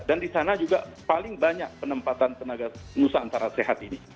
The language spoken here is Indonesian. dan di sana juga paling banyak penempatan tenaga nusantara sehat ini